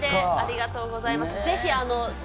ありがとうございます。